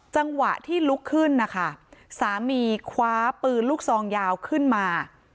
จังหวะที่ลุกขึ้นนะคะสามีคว้าปืนลูกซองยาวขึ้นมา